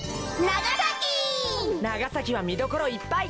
長崎はみどころいっぱい！